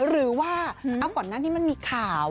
หรือว่าก่อนหน้านี้มันมีข่าว